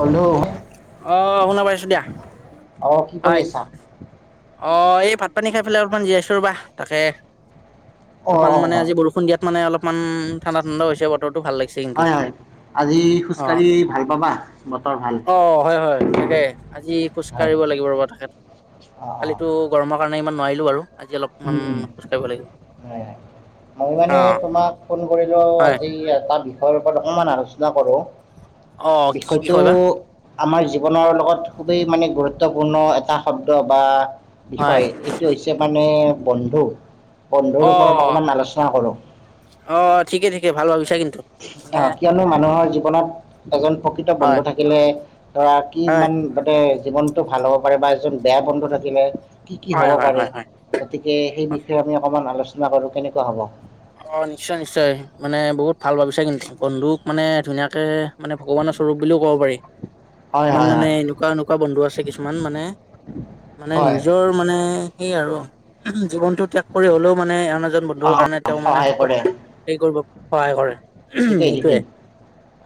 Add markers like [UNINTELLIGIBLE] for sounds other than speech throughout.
Hello আহ শুনা পাইছো দিয়া। অ কি কৰি হয় আছা? অ এই ভাত পানী খাই পেলাই অলপমান জীয়াইছোঁ ৰ'বা তাকে। অ অলপমান অ মানে আজি বৰষুণ দিয়াত মানে অলপমান ঠাণ্ডা ঠাণ্ডা হৈছে বতৰটো ভাল লাগিছে কিন্তু। হয় হয় আজি অ খোজকাঢ়ি ভাল পাবা। বতৰ ভাল। অ হয় হয় থাকে আজি হয় খোজকাঢ়িব লাগে। অ অ কালিতো গৰমৰ কাৰণে ইমান নোৱাৰিলো আৰু আজি উম অলপমান উম খোজ কাঢ়িব লাগিল। মই মানে তোমাক ফোন কৰিলো হয় আজি এটা বিষয়ৰ ওপৰত অকণমান আলোচনা কৰো। অহ কি বিষয় বা। আমাৰ জীৱনৰ লগত খুবেই মানে গুৰুত্বপূৰ্ণ এটা শব্দ বা হয় বিষয় এইটো হৈছে মানে বন্ধু বন্ধুৰ অ ওপৰত অকমান আলোচনা কৰো অ ঠিকে ঠিকে ভাল ভাবি আহ কিয়নো মানুহৰ জীৱনত এজন প্ৰকৃত হয় বন্ধু থাকিলে ধৰা কি হয় ইমান তাতে জীৱনটো ভাল হ'ব পাৰে বা এজন বেয়া বন্ধু থাকিলে কি কি হয় হব হয় পাৰে হয় হয় হয় গতিকে সেই বিষয়ে আমি অকমান আলোচনা কৰো কেনেকোৱা হব। অ নিশ্চয় নিশ্চয় মানে বহুত ভাল ভাবিছে কিন্তু বন্ধুক মানে ধুনীয়াকে মানে ভগৱানৰ স্বৰূপ বুলিও ক'ব পাৰি। হয় ইমান হয় মানে হয় এনেকোৱা এনেকোৱা বন্ধু আছে কিছুমান মানে মানে হয় নিজৰ মানে সেই আৰু জীৱনটো ত্যাগ কৰি হলেও মানে আন এজন অ বন্ধুৰ কাৰণে অ তেওঁ মানে সহায় কৰে সুখত কৰিব সহায় কৰে। ঠিকেই সেইটোয়ে ঠিকেই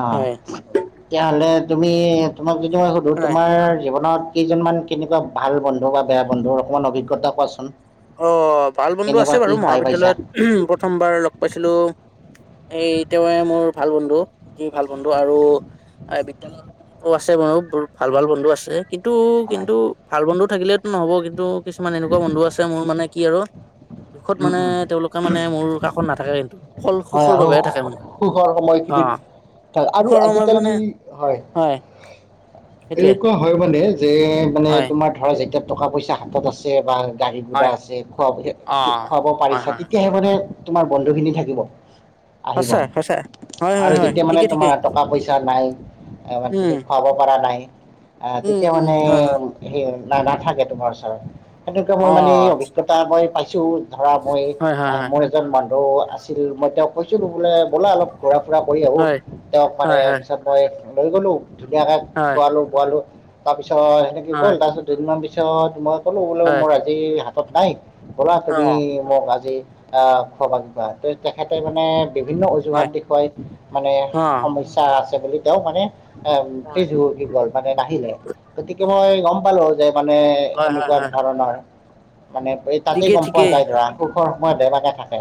অ হয় তেতিয়াহলে তুমি তোমাক যদি মই সুধোঁ হয় তোমাৰ জীৱনত কেইজনমান তেনেকোৱা ভাল বন্ধু বা বেয়া বন্ধু অকমান অভিজ্ঞতা কোৱাচোন অ ভাল বন্ধু কেনেকুৱা আছে কি বাৰু সহায় পাইছা মহাবিদ্যালয়ত প্ৰথমবাৰ লগ পাইছিলো এই তেৱে মোৰ ভাল বন্ধু দুইও ভাল বন্ধু আৰু বিদ্যালয় আছে বাৰু বহুত ভাল ভাল বন্ধু আছে কিন্তু হয় কিন্তু ভাল বন্ধু থাকিলেতো নহ'ব কিন্তু কিছুমান এনেকোৱা বন্ধু আছে মোৰ মানে কি আৰু দুখত উম মানে উম তেওঁলোকে মানে মোৰ কাষত নাথাকে কিন্তু অকল হয় সুখৰ আৰু বাবেহে থাকে মানে সুখৰ সময় অ খিনিত ত আৰু সুখৰ সময়ত মানে আজিকালি হয় সেইটোৱে এনেকোৱা হয় মানে যে মানে হয় তোমাৰ ধৰা যেতিয়া টকা পইচা হাতত আছে বা গাড়ী ঘোৰা হয় আছে খুৱা অ খুৱাব হয় পাৰিছা হয় তেতিয়াহে মানে তোমাৰ বন্ধু খিনি থাকিব আহিব সচাঁ সচাঁ আৰু যেতিয়া মানে তোমাৰ টকা পইচা নাই উম তুমি খুৱাব পৰা নাই আ উম তেতিয়া উম মানে হয় হয় সেই নাথাকে তোমাৰ ওচৰত সেনেকোৱা মই অ মানে এই অভিজ্ঞতা মই পাইছো ধৰা মই হয় হয় হয় মোৰ এজন মান বন্ধু আছিল মই তেওঁক কৈছিলো বোলে ব'লা অলপ ঘূৰা ফুৰা কৰি আহো হয় তেওঁক মানে হয় হয় পিছত মই লৈ গলো ধুনীয়াকে হয় খোৱালো বোৱালো তাৰপিছত সেনেকে গ'ল হয় তাৰপিছত দুদিনমান পিছত মই কলো বোলে হয় মোৰ আজি হাতত নাই ব'লা হয় অ তুমি মোক আজি অ খোৱাবা কিবা এটা তেখেতে মানে বিভিন্ন অজুহাত হয় দেখুৱাই মানে অ', সমস্যা আছে বুলি তেওঁ মানে হয়, পিছ হুহুকি গল মানে নাহিলে গতিকে মই গম পালো যে মানে হয়, হয়, এনেকোৱা হয় ধৰণৰ মানে এই তাতেই ঠিকেই, গম পোৱা ঠিকেই যায় ধৰা সুখৰ সময়ত দেবাকে থাকে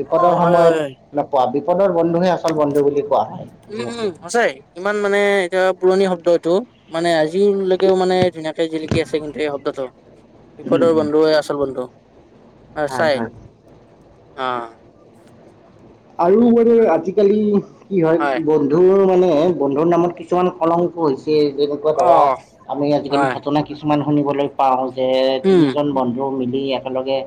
বিপদৰ অ', হয়, হয়, সময়ত হয়। মানে পোৱা বিপদৰ বন্ধুহে আচল বন্ধু বুলি কোৱা হয় উম যিহেতু উম সঁচাই ইমান মানে এতিয়া পুৰণি শব্দ এইটো মানে আজিলৈকেও মানে ধুনীয়াকে জিলিকি আছে কিন্তু এই শব্দটো বিপদৰ বন্ধুহে আচল বন্ধু হয় চাই হয় অ আৰু মানে আৰু আজিকালি কি হয় বন্ধুৰ মানে বন্ধুৰ নামত কিছুমান কলংক হৈছে যেনেকোৱা ধৰা অ', আমি আজিকালি হয়, ঘটনা কিছুমান শুনিবলৈ পাওঁ যে উম, তিনিজন বন্ধু মিলি একেলগে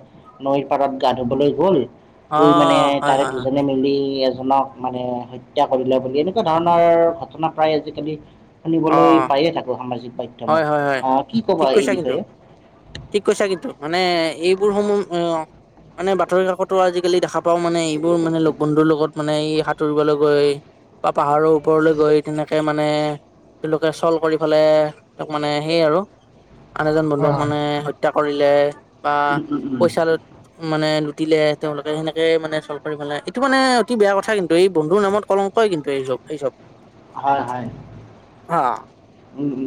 নৈৰ পাৰত গা ধুবলৈ গ'ল অ গৈ মানে হয় তাৰে হয় হয়, দুজনে মিলি জনক মানে হত্যা কৰিলে বুলি এনেকুৱা ধৰণৰ ঘটনা প্ৰায় আজিকালি শুনিবলৈ অ', পায়ে থাকো সামাজিক মাধ্যম হয় হয় হয় ঠিক কৈছা কিন্তু, ঠিক কৈছা কিন্তু মানে এ এইবোৰ সমূহ অ মানে বাতৰি কাকতো আজিকালি দেখা ও মানে এইবোৰ মানে লগ বন্ধুৰ লগত মানে ই সাঁতুৰিবলৈ গৈ বা পাহাৰৰ ওপৰলৈ গৈ তেনেকে মানে তেওঁলোকে চল কৰি ফলে তাক মানে সেই আৰু আন এজন বন্ধুক মানে হত্যা কৰিলে বা উম উম উম পইচা মানে টিলে তেওঁলোকে সেনেকে মানে চল্ভ কৰি পেলাই এইটো মানে অতি বেয়া কথা কিন্তু এই বন্ধুৰ নামত কলংকই কিন্তু এইচব। এই চব। হয় হয়। হা উম উম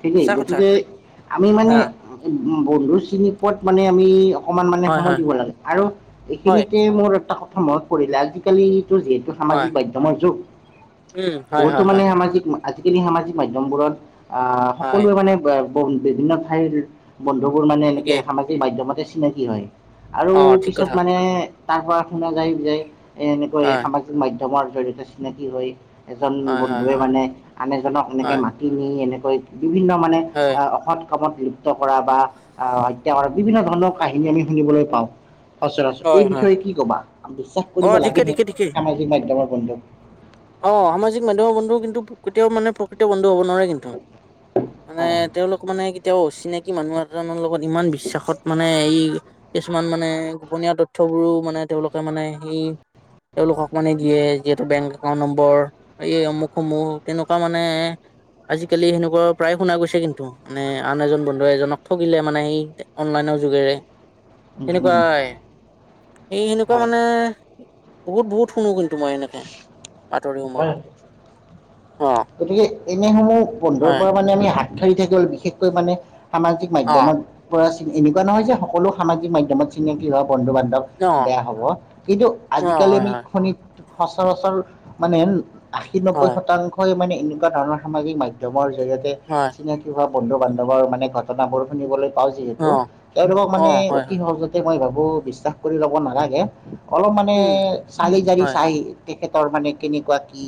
ঠিকেই সঁচা কথা গতিকে আমি মানে হা উ উ বন্ধু চিনি পোৱাত মানে আমি অকমান মানে হয় সময় হয় দিব লাগে, আৰু হয় এইখিনিতে মোৰ এটা কথা মনত পৰিলে আজিকাল যিহেতু সামাজিক হয় মাধ্যমৰ যুগ। উম হয় বহুতো হয় মানে হয় সামাজিক আজিকালি সামাজিক মাধ্যয়মবোৰত আহ হয় সকলোৱে মানে বিভিন্ন ঠাইৰ বন্ধুবোৰ মানে এনেকে ঠিকেই সামাজিক মাধ্যমতে চিনাকি হয় আৰু অ ঠিক কথা পিছত মানে তাৰ পৰা শুনা যায় যে এ এনেকৈ হয়, সামাজিক মাধ্যমৰ জৰি়তে চিনাকি হয় এজন হয়, হয়, বন্ধুৱে হয়, মানে আন এজনক এনেকে হয়, মাতি নি এনেকৈ বিভিন্ন মানে হয়, অসৎ কামত কৰা বা আহ হত্যা কৰা বিভিন্ন ধৰণৰ কাহিনী আমি শুনিবলৈ পাওঁ। সচৰাচৰ এই হয়, হয়। বিষয়ে কি কবা? বিশ্বাস কৰিব অ', ঠিকে, লাগেনে ঠিকে, ঠিকেই। সামাজিক মাধ্যয়মৰ বন্ধুক? অ সামাজিক মাধ্যমৰ বন্ধুও কিন্তু কেতিয়াও মানে প্ৰকৃত বন্ধু 'ব নোৱাৰে কিন্তু, মানে হয় হয় তেওঁলোক মানে কেতিয়াও চিনাকি মানুহ এজনৰ লগত ইমান বিশ্বাসত মানে এই কিছুমান মানে গোপনীয় তথ্যয়বোৰো মানে তেওঁলোকে মানে সেই তেওঁলোকক মানে দিয়ে যিহেতু বেংগ একাউট নম্বৰ এই অমুকসমূূহ তেনেকুৱা মানে আজিকালি সেনেকুৱা প্ৰায় শুনা গৈছে কিন্তু, মানে আন এজন বন্ধু এজনক ঠগিলে মানে সেই অনলাইনত যোগেৰে। উম উম সেনেকুৱাই এই সেনেকুৱা হয় মানে বহুত বহুত শুনো কিন্তু তোমাৰ এনেকে বাতৰি সময়ত। অ গতিকে এনেসমূহ বন্ধৰ হয় পৰা মানে আমি হাত সাৰি থাকি হ'ল বিশেষকৈ মানে সামাজিক অ মাধ্যমৰ পৰা এনেকুৱা নহয় যে সকলো সামাজিক মাধ্যমত চিনাকি হক বন্ধু বান্ধৱ অ বেয়া হ'ব, কিন্তু অ আজিকালি হয় আমি হয় খনিত সচৰাচৰ মানে আশী নব্বৈ হয় শতাংশই মানে এনেকুৱা ধৰণৰ সামাজিক মাধ্যয়মৰ জৰিয়তে হয় চিনাকি হোৱা বন্ধু বান্ধৱৰ মানে ঘটনাবোৰ শুনিবলৈ পাওঁ যিহেতু, অ তেওঁলোকক অ মানে হয় অতি হয় সহজতে মই ভাবো বিশ্বাস কৰি ল'ব নালাগে। অলপ মানে উম চালি জাৰি হয় চাই তেখেতৰ মানে কেনেকুৱা কি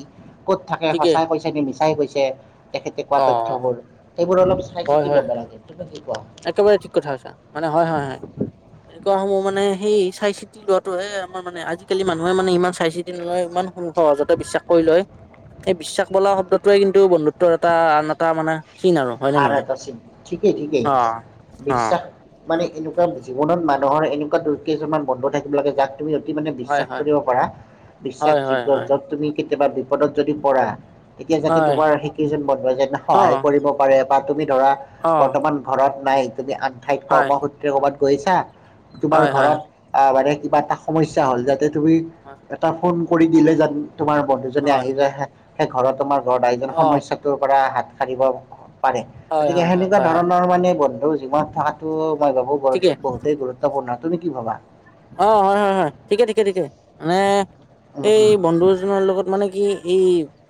ক'ত থাকে সচ ঠিকেই মিছাই কৈছে তেখেতে কোৱা অ তথ্যবোৰ সেইবোৰ অলপ চাই হয় চিতি হয় লব লাগে। কি কোৱা একেবাৰে ঠিক কথা কৈছা মানে হয় হয় হয়। এনেকুৱা সমূহ মানে সেই চাই চিতি লোৱাটোহে আমাৰ মানে আজিকালিমানুহে মানে ইমান চাই চিতি নলয় ইমান সু সহজতে বিশ্বাস কৰি লয়। সেই বিশ্বাস বলা শব্দটোৱে কিন্তু বন্ধুত্বৰ এটা আন এটা মানে চিন আৰু হয় নে নহয় আৰাটাছিল ঠিকে ঠিকে। অ অ। মানে এনেকুৱা জীৱনত মানুহৰ এনেকুৱা দু কেইছমান বন্ধু থাকিব লাগে যাক তুমি অতি মানে হয় বিশ্বাস হয় কৰিব পাৰা হয় হয় বিশ্বাসযোগ্য হয় য'ত তুমি কেতিয়াবা বিপদত যদি পৰা তেতিয়া যাতে হয় তোমাৰ সেই কেইজন বন্ধু যে অ সহায় কৰিব পাৰে বা তুমি ধৰা অ বৰ্তমান ঘৰত নাই তুমি আন ঠাইত হয় কৰ্মসূত্ৰে কাবাত গৈছা তোমাৰ হয় হয় ঘৰত আহ মানে কিবা এটা সমস্যা হ'ল যাতে তুমি হয় এটা ফোন কৰি দিলে জান তোমাৰ বন্ধুজনী হয় আহি যে সেই ঘৰত তোমাৰ ঘ দাইজ অ সমস্যাটোৰ পৰা হাত সাৰিব পাৰে হয় গতিকে হয় হয় সেনেকুৱা হয় হয় ধৰণৰ মানে বন্ধু জীৱনত থকাতটো মই বাবো ঠিকে বহুতেই গুৰুত্বপূৰ্ণ তুমি কি ভবা? অ হয় হয় হয় ঠিকে ঠিকে ঠিকে মানে উম এই উম বন্ধু এজনৰ লগত মানে কি ই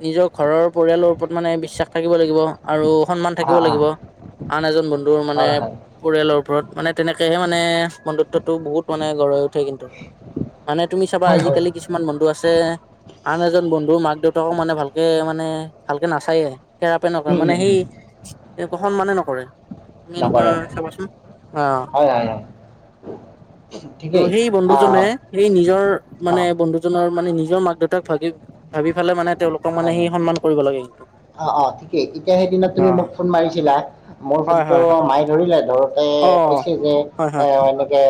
নিজৰ ঘৰৰ পৰিয়ালৰ ওপৰত মানে বিশ্বাস থাকিব লাগিব আৰু সন্মান অ থাকিব অ লাগিব, আন এজন বন্ধুৰ মানে হয় পৰিয়ালৰ ওপৰত মানে তেনেকেহে মানে বন্ধুত্বতটো বহুত মানে গঢ়ি কিন্তু মানে তুমি চাবা হয় হয় হয়। আজিকালি কিছুমান বন্ধু আছে আন এজন বন্ধু মাক দেউতাকো মানে ভালকে মানে ভালকে নাচায়েই। কেৰাপে নকৰে উম মানে উম উম সেই এনেুৱ সন্মানে নকৰে। তুমি এনেকুৱা নকৰে চাবাচোন আহ হয় হয় হয় ত ঠিকেই সেই আহ বন্ধুজনে সেই নিজৰ অ মানে বন্ধুজনৰ মানে নিজৰ মাক-দেউতাক ভাবি, ভাবি ফালে মানে তেওঁলোকক হয় মানে সি হয়। সন্মান কৰিব লাগে কিন্তু অ', -অ' ঠিকেই, এতিয়া সেইদিনত অ তুমি মোক ফোন মাৰিছিলা। মোৰ হয় ফোনটো হয় হয় মায়ে ধৰিলে ধৰ অ কৈছে যে হয় এ হয় এনেকে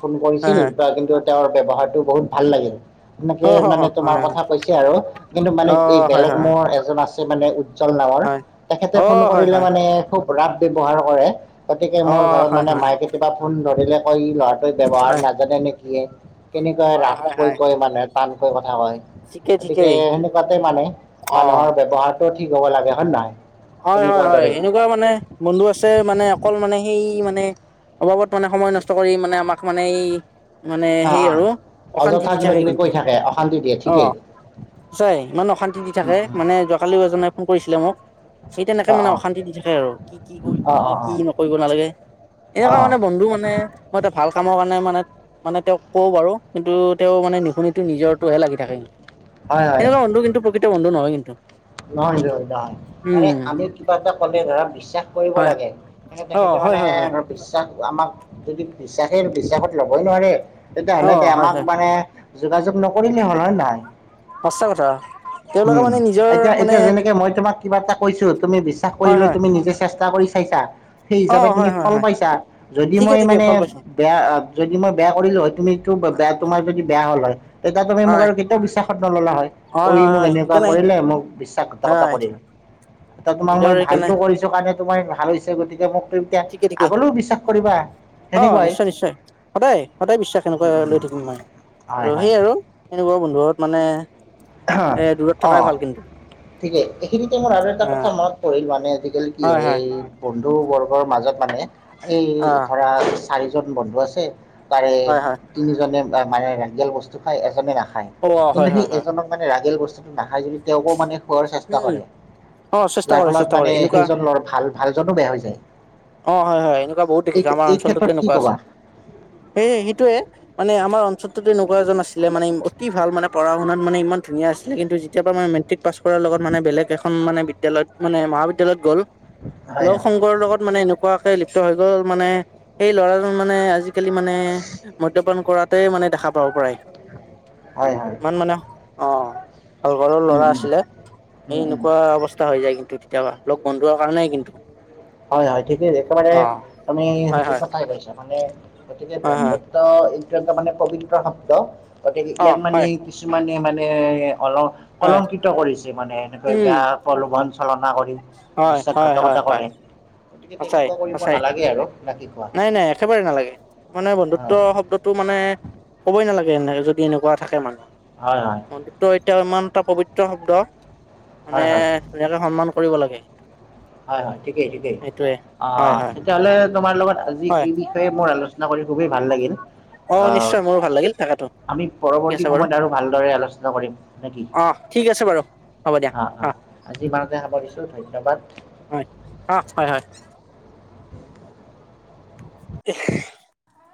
ফোন হয় কৰিছিল হয় বা কিন্তু তেওঁৰ ব্যৱহাৰটো বহুত ভাল লাগিল, সেনেকে অ হ হ মানে হয় তোমাৰ হয় কথা কৈছে আৰু কিন্তু মানে অ এই হয় বেলেগ হয় মৰ এজন আছে মানে উজ্জ্বল নামৰ, হয় তেখেতে অ ফোন হয় কৰিলে হয় হয় মানে খুব ৰাপ ব্যৱহাৰ কৰে, গতিকে অ মোৰ ঘৰত হয় মানে হয় মায়ে কেতিয়াবা ফোন ধৰিলে কয় ই ল'ৰা ব্যৱহাৰ হয় নাজানে নে কি কেনেকৈ হয় ৰাফ হয় কৈ হয় কয়, মানুহে টান কৈ কথা কয় ঠিকেই গতিকে ঠিকেই সেনেকুৱা মানে অ মানুহৰ ব্যৱহাৰটো ঠিক হ'ব লাগে হয় নে নহয়? তুমি কোৱাৰ হয়-হয়-হয় দৰেই এনেকুৱা মানে বন্ধু আছে, মানে অকল মানে সেই মানে মানে অবাবত মানে সময় নষ্ট কৰি মানে আমাক মানে এই, মানে অ সেই অ আৰু অশান্তি অযথা দি কিবা থাকে কিবি কিন্তু। কৈ থাকে অশান্তি দিয়ে ঠিকেই অ' সচাই ইমান অশান্তি দি উম থাকে উম মানে যোৱাকালি এজনাই ফোন কৰিছিলে মোক, সেই তেনেকে অ মানে অ অশান্তি দি থাকে আৰু কি, কি কৰিব অ লাগে, অ কি অ নকৰিব নালাগেই। অ এনেকুৱা মানে বন্ধু মানে মই এটা ভাল কামৰ কাৰণে মানে মানে তেওঁক কও বাৰু কিন্তু তেওঁ মানে নুশুনে নিজৰটোহে লাগি থাকেই। হয় হয় সেনেকুৱা বন্ধু কিন্তু প্ৰকৃত বন্ধু নহয় কিন্তু নহয় ব নহয়, মানে উম আমি কিবা এটা ক'লে ধৰা। বিশ্বাস কৰিব হয় লাগে তে অ তেখেতে হয় মানে হয় হয় ধৰ বিশ্বাস আমাক যদি বিশ্বাসে বিশ্বাসত ল'বই নোৱাৰে অ তেতিয়াহ'লে হয় আমাক হয় মানে যোগাযোগ নকৰিলেই হ'ল হয়নে নহয়। সঁচা কথা। তেওঁলোকে উম, মানে নিজৰ এতিয়া মানে এতিয়া যেনেকে মই তোমাক কিবা এটা কৈছো, তুমি বিশ্বাস হয় কৰিলে হয় তুমি নিজে চাকচেচ কৰি চাইছা? সেই অ হিচাপে তুমি হয় হয় ফল হয় পাইছা যদি ঠিকে মই ঠিকে মানে ফল পাইছো বেয়া যদি মই বেয়া কৰিলো হয় তুমিটো বেয়া তোমাৰ যদি বেয়া হ'ল হয়, তেতিয়া তুমি মোক হয় আৰু কেতিয়াও বিশ্বাসত নললা হয় অ' ই হয় মোক হয় এনেকুৱা সেইকাৰণে কৰিলে মোক বিশ্বাসঘাতকতা হয় কৰিলে, ইটা তোমাক নিজৰ মই সেইকাৰণে ভালটো কৰিছো কাৰণে তোমাৰ ভাল হৈছে গতিকে মোক তুমি এতিয়া ঠিকে ঠিকে আগলৈও বিশ্বাস কৰিবা। অ' সেনেকুৱাই নিশ্চয়-নিশ্চয়, সদায় সদায় বিশ্বাস এনেকুৱা উম উম লৈ থাকিম মই। আৰু হয় হয় সেই আৰু এনেকুৱা বন্ধুত মানে এ দূৰত থকাই ভাল কিন্তু ঠিকেই এইখিনিতে মোৰ আৰু এটা কথা অ', মনত পৰিল মানে আজিকালি কি হয়, এই বন্ধু-বৰ্গৰ মাজত মানে এই অ', ধৰা চাৰিজন বন্ধু আছে, তাৰে হয় হয় তিনিজনে মানে ৰাগিয়াল বস্তু খাই, এজনে নাখায় অ', কিন্তু হয় সেই হয় হয় এজনক। মানে ৰাগিয়াল বস্তুটো নাখায় যদি তেওঁকো মানে খোৱাৰ চেষ্টা উম, কৰে। অ', চেষ্টা যাৰ কৰে ফলত চেষ্টা কৰে মানে এনেকুৱা সেইজন ল'ৰা ভাল ভালজনো বেয়া হৈ যায়। অ' হয়-হয় এনেকুৱা বহুত এই দেখিছো আমাৰ এই অঞ্চলটোত ক্ষেত্ৰত কি এনেকুৱা আছে। ক'বা সেই সেইটোয়ে মানে আমাৰ অঞ্চল অঞ্চলতোত তেনেকুৱা এজন আছিলে মানে অতি ভাল মানে পঢ়া-শুনাত মানে ইমান ধুনীয়া আছিলে কিন্ত যেতিয়াৰ পৰা মেট্ৰিক পাছ কৰিলে কৰাৰ লগত মানে বেলেগ এখন মানে বিদ্যালয়ত মানে মহাবিদ্যালয়ত গ'ল। হয় লগ হয় সংগৰ লগত মানে এনেকুৱাকে লিপ্ত হৈ গ'ল মানে সেই ল'ৰাজন মানে আজি আজিকালি মানে মদ্যপান কৰাতে মানে দেখা পাওঁ প্ৰায় হয় হয় ইমান মানে অ' ভাল ঘৰৰ উম ল'ৰা উম আছিলে। এই উম উম এনেকুৱা অৱস্থা হৈ যায় কিন্তু তেতিয়াবা লগ বন্ধুৰ কাৰণে কিন্তু হয়-হয় ঠিকেই, একেবাৰে অ তুমি হয় সঠিক হয় কথাই কৈছা। মানে গতিকে হয় হয় বন্ধুত্ব এইটো এটা মানে পবিত্ৰ শব্দ। গতিকে অ ইয়াত মানে হয় কিছুমানে মানে হয় কলংকিত কৰিছে মানে এনেকৈ উম বেয়া প্ৰলোভন চলনা কৰি হয় হয় হয় বিশ্বাসঘাতকতা হয় কৰে গতিকে সঁচাই তেনেকুৱা কৰিব সঁচাই নালাগে আৰু নে কি কোৱা নাই নাই একেবাৰে নালাগে মানে বন্ধুত্ব হয় শব্দতটো মানে ক'বই নালাগে এনেকে যদি এনেকুৱা থাকে মানুহ, হয় হয় বন্ধুতটো এতিয়া ইমান এটা পবিত্ৰ শব্দ। হয় মানে হয় ধুনীয়াকে সন্মান কৰিব লাগে কিন্তু হয় হয় ঠিকেই ঠিকেই অ হয় হয় তেতিয়াহলে তোমাৰ লগ আজি হয় এই বিষয়ে মোৰ আলোচনা কৰি খুবেই ভাল লাগিল অ আহ নিশ্চয় মোৰো ভাল লাগিল থাকাটো আমি ঠিক পৰৱৰ্তী আছে বাৰু সময়ত আৰু ভালদৰে আলোচনা কৰিম নেকি। অ ঠিক আছে বাৰু হ'ব দিয়া অ অ আজি ইমানতে সামৰিছো ধন্যবাদ হয় অ হয় হয় [UNINTELLIGIBLE] [UNINTELLIGIBLE]